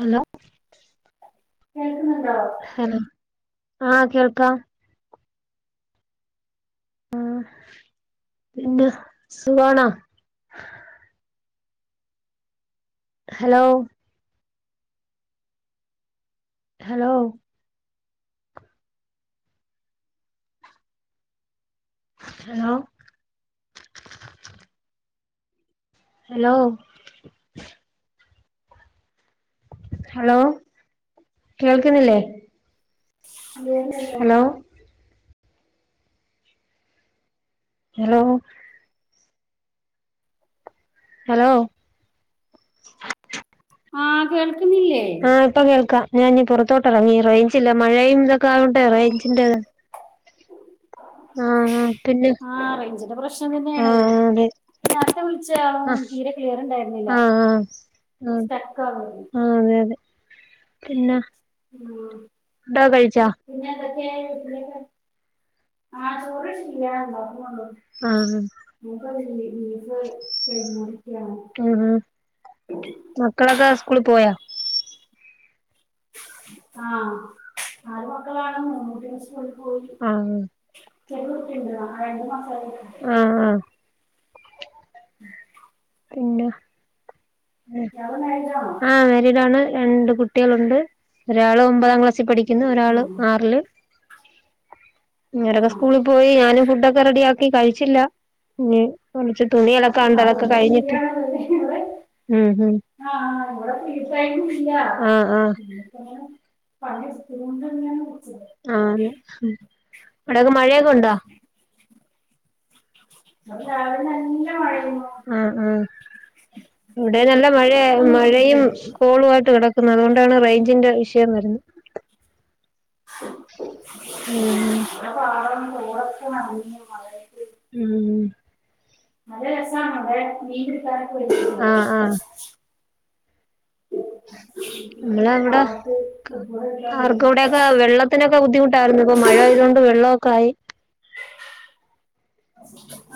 Hello ക്കേൾക്കുന്ന്ണ്ടോ hello ആ കേൾക്കാ ആഹ് പിന്നെ സുഖാണൊ hello hello hello hello hello കേൾക്കുന്നില്ലേ ഹലോ [unintelligible] ഹലോ ഹെലോ ആ കേൾ ആ ഇപ്പൊ കേൾക്കാ ഞാൻ ഇനി പുറത്തോട്ടിറങ്ങീ റെയ്ഞ്ചില്ല മഴയുംതൊ ക്കായോണ്ട റെയ്ഞ്ചിന്റെത് ആ റെയ്ഞ്ചിന്റെ പ്രശ്നം തന്നെയാണ് ആഹ് അതെ വിളിച്ച ആഹ് തീരെ ക്ലിയർ ഉണ്ടായിരുന്നില്ല ആഹ് ആഹ് സ്റ്റക്ക് ആവുന്നു ആഹ് അതെ അതെ പിന്ന ഉവാ ഫുഡ്ഡക്കെ കഴിച്ച [unintelligible] ആഹ് ഇപ്പൊ ലീവ് കഴിഞ്ഞോണ്ടിരിക്കാണ് ആഹാ മക്കളൊക്കെ സ്കൂളി പോയോ? ആ നാല് മക്കളാണ് മൂന്നൂട്ട്യേള് സ്കൂളി ആഹ് [unintelligible] ആഹ് ആഹ് [unintelligible] പിന്നെ ഇയാള് മാരീഡ് ആണോ ആഹ് മാരീഡാണ്, രണ്ട് കുട്ടികളുണ്ട് ഒരാള് ഒമ്പതാം ക്ലാസ്സിൽ പഠി ക്കുന്നു. ഒരാൾ ഉം ആറില് ഇങ്ങരൊക്കെ ആഹ് സ്കൂളി പോയി, ഞാനും ഫുഡ്ഡൊക്കെ റെഡിയാക്കി, കഴിച്ചില്ല ഇനി കുളിച്ചി ട്ട് തുണിയലക്കാനൊണ്ട്. അതൊക്കെ അതുകൊണ്ട് ഫ്രീ കഴിഞ്ഞിട്ട് ആണല്ലോ ഇവിടെ ഉം ഹും [unintelligible] ആഹ് അവിടൊക്കെ മഴയൊക്കെ ഒണ്ടോ? വടെ രാവിലെ നല്ല മഴ ആഹ് ആഹ് ഇവടെ നല്ല മഴയ ഇപ്പൊ ഒന്ന് മഴയും ഒതുങ്ങിയിട്ടുണ്ട് കോളുായിട്ട് കിടക്കുന്നു അതുകൊണ്ടാണ് റെയ്ഞ്ചിന്റെ വിഷയം വരുന്നെ ആഹ് ഉം ഇവിടെ പാടം തോടൊക്കെ നെറഞ്ഞു മഴ പെയ്ത് ഉം നല്ല രസാണവിടെ, മീൻ പിടിക്കാനൊക്കെ ആഹ് ആഹ് [unintelligible] [unintelligible] വരും ആർക്കൂടെക്കെ വെള്ളത്തിനൊക്കെ ബുദ്ധിമുട്ടായിരുന്നു. ഇപ്പം മഴ പെയ്തോണ്ട് വെള്ളമൊക്കെ ആയി.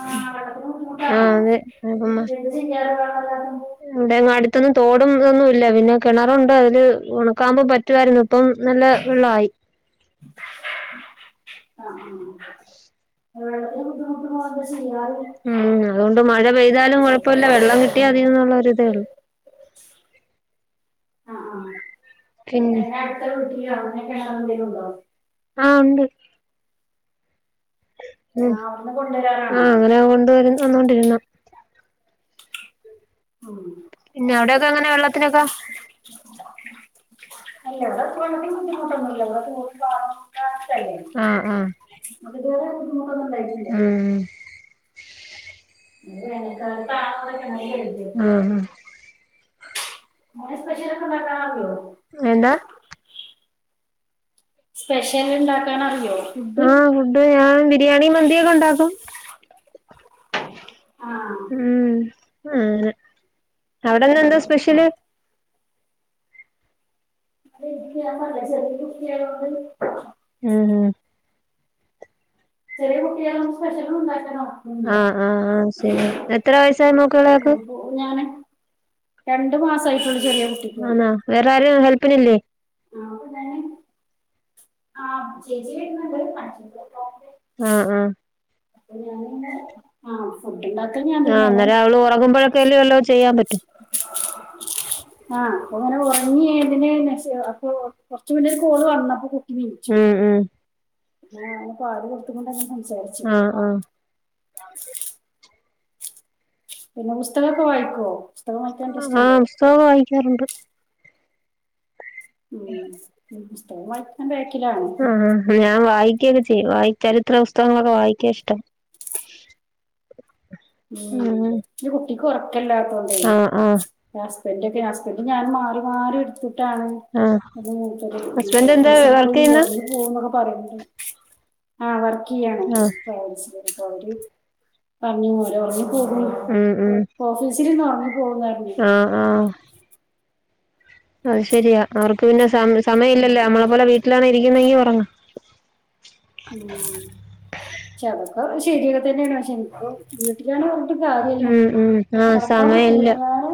ആ വെള്ളത്തിന് ബുദ്ധിമുട്ടാണോ ആഹ് അതെ എന്ത് ചെയ്യാ ണ്ട്ങ്ങടുത്തൊന്നും തോടുംതൊന്നുല്ല്യ പിന്നെ കിണറുണ്ട് അതില് ഉണക്കാമ്പോ പറ്റുവായിരുന്നു ഇപ്പം നല്ല വെള്ളായി ആ ആ വെള്ളത്തിന് ബുദ്ധിമുട്ട് പോവാന്താ ചെയ്യ ഉം അതുകൊണ്ട് മഴ പെയ്താലും കൊഴപ്പല്ല, വെള്ളം കിട്ടിയാ മതിന്നുള്ള ഒരിതേ ഉള്ളൂ ആഹ് ആഹ് പിന്നെ എന്നാ അടുത്ത വീട്ടിലങ്ങ് കെണറെന്തേലുണ്ടോ ആഹ് ഇണ്ട് ഉം ആ അവിടുന്ന് കൊണ്ടുവരാറാണോ ആഹ് അങ്ങനെ കൊണ്ടുവര വന്നോണ്ടിരുന്നാ ഉം പിന്നെ അവിടൊക്കെ എങ്ങനെ വെള്ളത്തിനൊക്കെ അല്ല ഇവിടെക്കെ വെള്ളത്തിന് ബുദ്ധിമുട്ടൊന്നും ഇല്ല [inaudible] തല്ലേ ആ ആ അതിത്‌വരെ ഉം ഹ് ആ [inaudible] അവിടെ സ്പേഷ്യൽ ഒക്കെ ഒണ്ടാക്കാറുണ്ടോ എന്താ സ്പെഷ്യൽ ഉണ്ടാക്കാൻ അറിയോ ആഹ ഫുഡ് ഞാൻ ബിരിയാണി മന്തിയൊക്കെ ഉണ്ടാക്കും ആ ഉം [inaudible] അവിടെ ഇന്ന് എന്താ സ്പെഷ്യല് അത് ഞാൻ പറഞ്ഞില്ലേ ചെറിയ [inaudible] ഉം ഉം ചെറിയ കുട്ടികളൊന്നും സ്പെഷ്യലും ഉണ്ടാക്കണോ ആഹ് ആഹ് ആഹ് ശരി എത്ര വയസ്സായ നോ ആ അപ്പൊ ഞാന് രണ്ടു മാസയിട്ടുള്ളൂ ആന്നാ വേറെ ആരും ഹെൽപ്പിനില്ലേ ആ അ തന്നെ ആ് ചേച്ചി വരുന്നൊണ്ട് വണി [inaudible] ആഹ ആഹ [inaudible] ആ ഉണ്ടാക്ക ഞാൻ ആഹ് തന്നെയാണ് അന്നേരം അവള് ഉറങ്ങുമ്പോഴൊക്കെല്ലേ വല്ലോ ചെയ്യാൻ പറ്റും ആഹ് അപ്പൊ അങ്ങനെ ഉറങ്ങി എതിന് അപ്പൊ കൊറച്ച് മു ന്നെ ഒരു കോള് വന്നപ്പോ വിളിച്ചു ഉം ഉം പിന്നെ പാടി കൊടുത്ത കൊണ്ട [inaudible] ആഹ ആഹ പിന്നെ പുസ്തകമൊക്കെ വായിക്കുവോ പുസ്തകം വായിക്കാൻ ഇൻട്രസ്റ്റ് ആഹ് ഉണ്ടോ പുസ്തകം വായിക്കാറുണ്ട് ഉ പുസ്തകം വായിക്കാ [inaudible] ആഹ ഞാൻ വായി ക്കെ ചെയ്യും വായി ചരിത്ര പുസ്തകങ്ങളൊക്കെ വായിക്കാ ഇഷ്ടം ഉം ഇ കുട്ടിക്ക് ഉറക്കല്ലാത്തോണ്ടെ ആഹ് ആഹ് എന്റൊക്കെ ഹസ്ബന്റും ഞാനും മാറി മാറി എടുക്കും ആഹ് [inaudible] ഹസ്ബൻഡ് എന്താ ഓഫീസിൽ വർക്ക് പോയി ചെയ്യുന്നെ [inaudible] ആ വർക്ക് ചെയ്യാണ് ആഹ് അവര് പറഞ്ഞു പോല ഉറങ്ങിപ്പോയി ഓഫീസിന്നൊറങ്ങി പോയീ ആഹ ആഹ അത് ശെരിയാ അവർക്ക് പിന്നെ സമയം ഇല്ലല്ലോ നമ്മളെ പോലെ വീട്ടിലാണ് ഇരിക്കുന്നെങ്കി ഉറങ്ങാം ഉം അതൊക്കെ ശരിയൊക്കെ തന്നെയാണ് പക്ഷെ എനിക്ക്‌ വീട്ടിലാണ് കാര്യമില്ല ഉം ഉം ആഹ നടക്കാൻ സമയമില്ല പറ്റൂല ഞാന്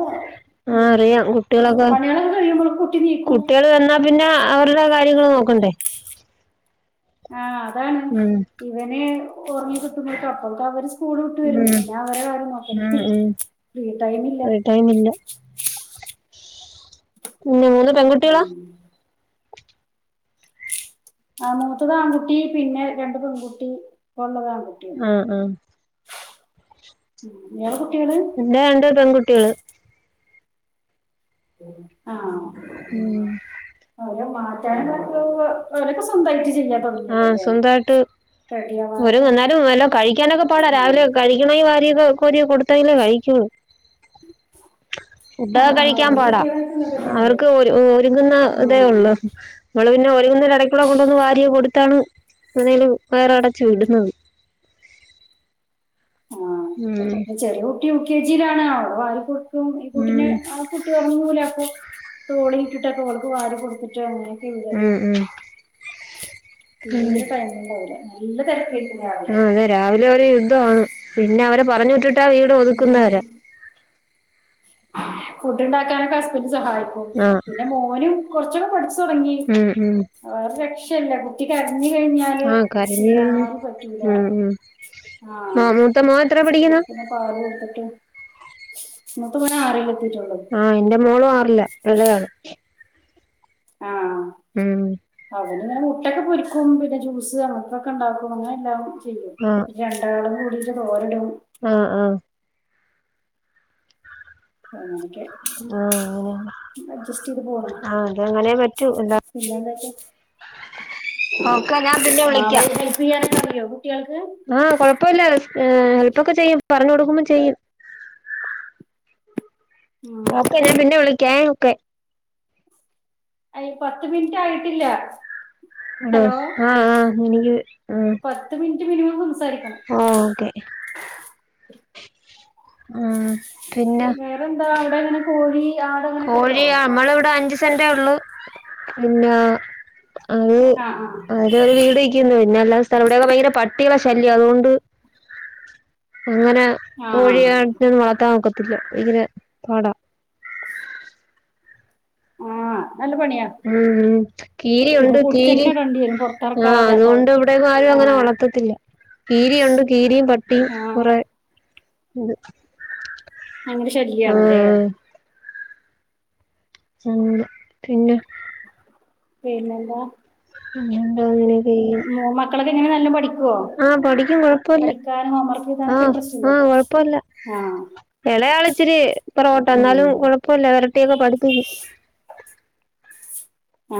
ആ ഉം, അറിയാം കുട്ടികളൊക്കെ പണികളൊക്കെ കഴിയുമ്പോൾ കുട്ടി നീക്കും കുട്ടികൾ വന്നാ പിന്നെ അവരുടെ കാര്യങ്ങൾ നോക്കണ്ടേ ആഹ അതാണ് ഉം ഇവന് ഉറങ്ങി കിട്ടുമ്പോൾ അപ്പോൾത്തെക്ക് അവര് സ്കൂള് വിട്ട് വെരും ഉം പിന്നെ അവരുടെ കാര്യം ഉം നോക്കണ്ടേ ഉം ഫ്രീ ടൈമില്ല ഫ്രീ ടൈം ഇല്ല പിന്നെ മൂന്ന് പെൺകുട്ട്യേളാ ആഹ് മൂത്തത് ആൺകുട്ടി പിന്നെ രണ്ടു പെൺകുട്ടി ഇപ്പൊ ഒള്ളതാണ് ആഹ് അഹ് ഉം [inaudible] എന്റെ രണ്ട് പെൺകുട്ട്യേള് ആഹ് ഉം മാറ്റാന [unintelligible] അവരൊക്കെ സ്വന്തായിട്ട് ആഹ് സ്വന്തായിട്ട് റെഡി ഒരു ആവാനൊക്കെ നന്നാലും എല്ലാം കഴിക്കാനൊക്കെ പാടാ. ആ രാവിലെ കഴിക്ക്ണെ വാരിയൊക്കെ ട്ടായില്ലെ കായിച്ചോള്ളും ആ, ഫുട്ടക്ക് കഴിക്കാൻ അവര് പാടാ. കുട്ടികളായിട്ടുള്ളത് തന്നെയല്ലേ അവർക്ക് ഒരുങ്ങ്ന്ന ആ ഇതേ ഒള്ളൂ നമ്മള് പിന്നെ ഒരുങ്ങ്ന്ന എടയ്ക്കുള്ള ഫുഡൊന്ന് വാര്യെ കൊടുത്താണ് അനേൽ വേറെ അടച്ചു വിടുന്നത് ഉം ആഹ് ചെറിയ യു. കുട്ടി കെ. ജിയിലാണ് ആഹ് അവള് വാരി കൊട്ക്കും. ഈ കുട്ടിനെ ഉം അവൾക്ക് കുട്ടി ദറങ്ങൂല അപ്പം തോളിയിട്ടിട്ടൊക്കെ അവൾക്ക് വാരി കൊടുത്തിട്ടോ അങ്ങനെ ഉം ഉം തീരെ ടയ്മ് ഇണ്ടാവൂല്ല. നല്ല തെരക്കായി ആഹ് അതെ രാവിലെ അവര് യുദ്ധ വാണ്. പിന്നെ അവരെ പറഞ്ഞ് വിട്ടി വീട് ഒതുക്കുന്നവരെ ഫുഡ് ഇണ്ടാക്കാനൊക്കെ ഹസ്ബന്ഡ സഹായിക്കും. ആഹ് പിന്നെ മോനും കൊറ്പച്ചൊക്കെ പഠിച്ചു തൊടങ്ങി ഉം ഉം വേറൊരു രക്ഷല്ല കുട്ടി ഞ്ഞി കഴിഞ്ഞാല് ആഹ് കരഞ്ഞ് പിന്നെ ആരിം പറ്റൂല ഉം ഉം ആ മൂത്ത മോൻ എത്ര പഠിക്കുന്നു പിന്നെ പാലു കൊടുത്തിട്ട് ന്നത്ത് ബെനാറിലും ആ ന്റെ മോളും ആറില്ല എടെയാണ് ഉം ഓന്ങ്ങനെ മുട്ടൊക്കെ പൊരിക്കും പിന്നെ ജ്യൂസ് അങ്ങനത്തൊക്കെ ഉണ്ടാക്കും പിന്നെ എല്ലാ ആ രണ്ടാളും കൂടിട്ട ഓരിടും ആ ആ ഉ ഉ ഞാന് ആ ഓ ഡ്ജസ്റ്റീത് പോണം എന്താ പിന്നെന്തൊക്കെ ഒക്കെ ഞാൻ പിന്നെ വിളിക്കാം ഹെൽപ്പ് ചെയ്യാനൊക്കെ അറിയോ കുട്ടികൾക്ക് ആ കൊഴപ്പോല്ല ഹെൽപ്പൊക്കെ ചെയ്യും പറഞ്ഞു കൊടുക്കുമ്പൊ ചെയ്യും ഉം. ഓക്കെ ഞാൻ പിന്നെ വിളിക്കാ ഓക്കെ അയ് പത്ത് മിനിറ്റ് ആയിട്ടില്ല അ ഹലോ ആ ആ എനിക്ക് ആ പത്ത് മിനിറ്റ് മിനിമം സംസാരിക്കണം ആ ഓക്കെ ആ വേറെന്താ അവിടങ്ങനെ കോഴി ആട് അങ്ങനെയൊക്കെ ഉണ്ടോ കോഴിയെ നമ്മളിവിടെ അഞ്ച് സെന്റേ ഒള്ളു പിന്നെ അഹ് ആ ആ അതിലൊരു വീട് വെക്കുന്നു പിന്നെ എല്ലാ സ്ഥലം കൂടേയ് ഭയങ്കര പാ കുട്ടികളെ ശല്യ അതുകൊണ്ട് ഇങ്ങനെ ആ ആ കോഴിയെ ആടിനെ വളർത്താൻ നോക്ക പറ്റില്ല ഇങ്ങനെ പാടാ ആ നല്ല പണിയാ ഉം ഉം പിന്നെ കീരിയുണ്ട് കൂട്ടി ക്കീരി തന്നെ ഇടേണ്ടി വരും ആഹ് പുറത്തിറക്കാതെ അപ്പൊ അതുകൊണ്ട് അവർക്കും ഇവടെ ആരും ആ ഇങ്ങനെ വളർത്തത്തില്ല. കീരിയുണ്ട് കീരയും പട്ടിയും ആ കൊറെ ഇണ്ട് അങ്ങനെ ശല്യണല്ലേ ഉ പിന്നെ പിേന്നല്ല ആന്ത മക്കളൊക്കെ എങ്ങനെ നല്ലോം പഠിക്കുവോ ആ പൊടിക്കും കുഴപ്പല്ല പഠിക്കാൻ ഹോംവർക്ക് ആ എഴുതാനൊക്കെ ഇൻട്രസ്റ്റ് ഉണ്ടോ ആ കുഴപ്പില്ല ആഹ് ഇളയാളിച്ചിരി പൊറോട്ട ഉം എന്നാലും കുഴപ്പില്ല കുട്ടക പഠത്തി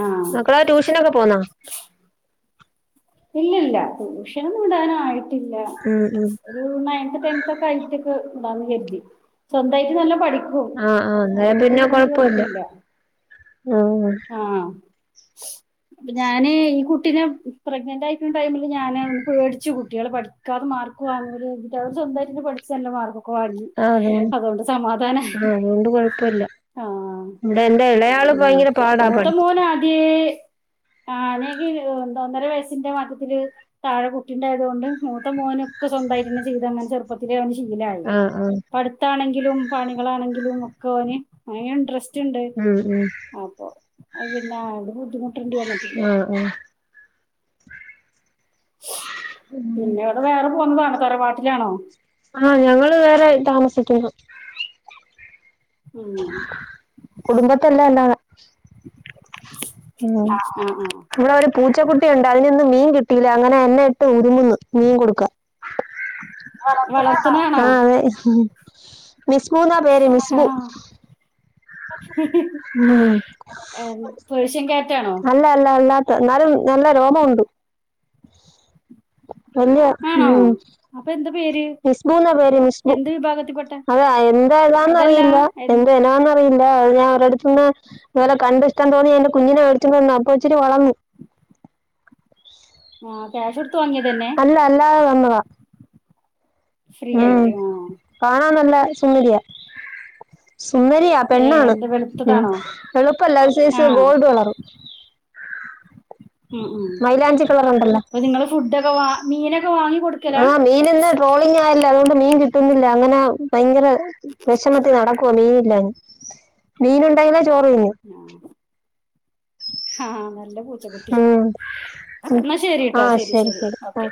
ആഹ് മക്കള ട്യൂഷനൊക്കെ പോന്നാ ഇല്ലില്ല ട്യൂഷനന്നും വിടാനായിട്ടില്ല ഉം ഉം ഒരു നയൺത് ടെൻത് വീടൊക്കെ ആയ്റ്റൊക്കെ [unintelligible] കരുതി സ്വന്തായിട്ട് നല്ല പഠി ആഹ് ആഹ് അന്നേരം അതോണ്ട് പിന്നെ വിടണ്ടി കൊഴപ്പല്ല വന്നിട്ടില്ല ആഹ് ആഹ് അപ്പൊ ഞാന് ഈ കുട്ടീനെ പ്രഗ്നന്റ് ആയിക്കണ ടൈമില് ഞാന് പേടിച്ചു കുട്ടികള് പഠിക്കാതെ മാ മാർക്ക് വാങ്ങുലെ [unintelligible] അവര് സ്വന്തായിട്ട ന്നെ പഠിച്ച് നല്ല മാർ ക്ക് വാങ്ങി ആഹ് അതുകൊണ്ട് അതൊണ്ട് സമാധാനായി ആഹ് അതുകൊണ്ട് കൊഴപ്പല്ല ആഹ് ഇവിടെ എന്റെ ഇളയാള് ഉം ഭയങ്കര പാടാ മൂത്ത പഠിക്ക മോനാദ്യെ ആണെങ്കി ഒന്ന് ഒന്നര വയസ്സിന്റെ [unintelligible] ത്തില് താഴെ കുട്ടിണ്ടായതോണ്ട് മൂത്ത മോന് ഒക്കെ സ്വന്തായ്ട്ടെന്നെ ചെയ്ത് അങ്ങനെ ചെറുപ്പത്തിലെ അവന് ശി ഇലായി ആഹ് ആഹ് പടുത്താണെങ്കിലും പണികളാണെങ്കിലും ഒക്കെ ഓന് ഇൻട്രസ് റ്റ്ണ്ട് ഉം ഉം അപ്പൊ പിന്നെ അത് ബുദ്ധിമു ആ ആ പിന്നെവടെ വേറെ പൊന്നതാണോ തറവാട്ടിലാണോ ആഹ് ഞങ്ങള് വേറെ താമസിക്കുന്നു ഉം കുടുംബത്തല്ല അല്ലാതെ ഉം ആ ആ ഇവിടൊരു പൂച്ചക്കുട്ടിയൊണ്ട് അതിനിന്ന് മീൻ കി ട്ടില അങ്ങനെ എന്നെ ഇട്ട് ഉരുമ്ന്ന് മീൻ കൊടുക്കാ വളർത്തണാണോ ആഹ് അതെ മിസ്ബൂ ന്നാ പേര് ആ മിസ്ബു ഉം പേർഷ്യൻ ക്യാറ്റാണോ അല്ല അല്ല അല്ലാത്ത ഇന്നാലും നല്ല രോമ വോണ്ട്. വല്യ ആണോ ഉം അപ്പൊ എന്താ പേര് മിസ്ബു ന്നാ പേര് മിസ്ബു എന്ത് വിഭാഗത്തിൽപ്പെട്ട അതാ എന്താ ഏതാന്ന് അറിയില്ല അതല്ല എന്താ ഇനോന്നറിയില്ല അത് ഞാൻ അവറെടുത്തുന്ന് ഇതുപോലെ കണ്ടിഷ്ടം തോന്നി അയ്ന്റെ കുഞ്ഞിനെ വേടിച്ചോണ്ട് വന്നതാ അപ്പൊ ഇച്ചിരി വളന്നു ആഹ് ക്യാഷ് കൊടുത്തു വാങ്ങിയതന്നെ [unintelligible] ഫ്രീ ഉം ആയിട്ട് ആഹ് കാണാൻ നല്ല സുന്ദരിയാ സുന്ദരിയാ ഏഹ് പെണ്ണാണ് എന്ത് ഉം വെളുത്തതാണോ വെളുപ്പല്ല ഒരുസൈസ് ആഹ് ഗോൾഡ് കളറ് ഉം ഉം കളർ ഉണ്ടല്ലോ അപ്പൊ നിങ്ങള് ഫുഡൊക്കെ വ ആഹ് മീനിന്ന് ട്രോളിങ് ആയല്ല അതുകൊണ്ട് മീൻ കിട്ടുന്നില്ല അങ്ങനെ ഭയങ്കര വേഷമത്തി നടക്കുവാ മീനില്ലാഞ്ഞ് മീൻ ഉണ്ടായിനെ ആഹ് [unintelligible] നല്ല പൂച്ചകുട്ടി ഉം ഉം. ന്നാ ശെരി ആ ട്ടോ ശെരി ശരി ശെരി ശരി ഓക്കെ